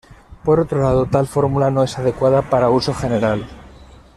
Por otro lado, tal fórmula no es adecuada para uso general.